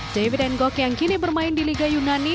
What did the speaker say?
david n'gok yang kini bermain di liga yunani